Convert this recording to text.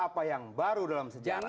apa yang baru dalam sejarah